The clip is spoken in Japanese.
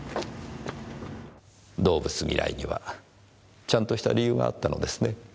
動物嫌いにはちゃんとした理由があったのですね。